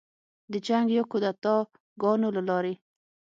د جنګ یا کودتاه ګانو له لارې